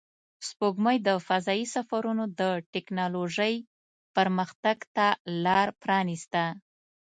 سپوږمۍ د فضایي سفرونو د تکنالوژۍ پرمختګ ته لار پرانیسته